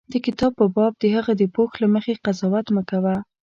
د کتاب په باب د هغه د پوښ له مخې قضاوت مه کوه.